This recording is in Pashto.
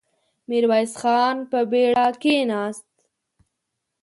ميرويس خان په بېړه کېناست.